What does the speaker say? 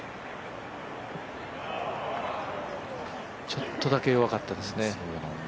ちょっとだけ弱かったですね。